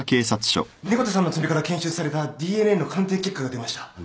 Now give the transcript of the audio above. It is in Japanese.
猫田さんの爪から検出されたＤＮＡの鑑定結果が出ました。